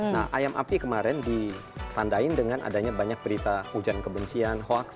nah ayam api kemarin ditandain dengan adanya banyak berita hujan kebencian hoaks